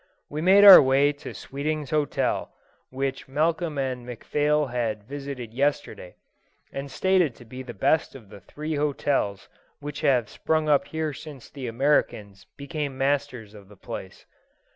We made our way to Sweeting's hotel, which Malcolm and McPhail had visited yesterday, and stated to be the best of the three hotels which have sprung up here since the Americans became masters of the place.